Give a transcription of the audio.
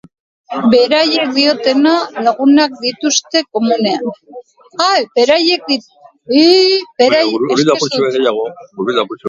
Beraiek diotenez, lagunak dituzte komunean.